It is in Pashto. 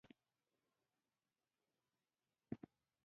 د خلکو باور د تجارت خزانه ده.